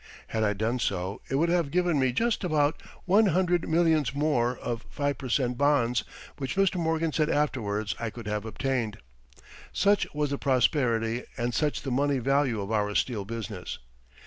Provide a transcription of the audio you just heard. Had I done so, it would have given me just about one hundred millions more of five per cent bonds, which Mr. Morgan said afterwards I could have obtained. Such was the prosperity and such the money value of our steel business.